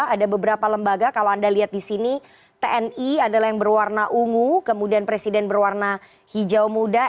ada beberapa lembaga kalau anda lihat di sini tni adalah yang berwarna ungu kemudian presiden berwarna hijau muda